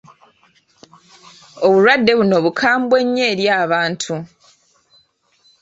Obulwadde buno bukambwe nnyo eri abantu.